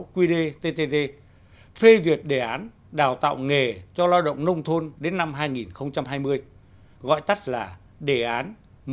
một chín trăm năm mươi sáu qd ttt phê duyệt đề án đào tạo nghề cho lao động nông thôn đến năm hai nghìn hai mươi gọi tắt là đề án một nghìn chín trăm năm mươi sáu